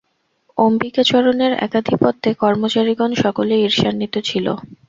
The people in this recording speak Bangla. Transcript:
অম্বিকাচরণের একাধিপত্যে কর্মচারিগণ সকলেই ঈর্ষান্বিত ছিল।